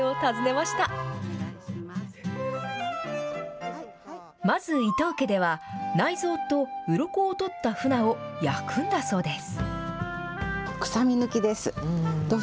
まず伊藤家では、内臓とうろこを取ったフナを焼くんだそうです。